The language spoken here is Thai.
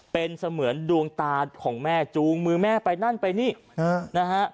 เป็นเสมือนดวงตาของแม่จูงมือแม่ไปนั่นไปนี่นะฮะ